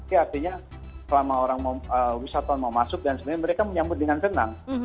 ini artinya selama orang wisatawan mau masuk dan sebenarnya mereka menyambut dengan tenang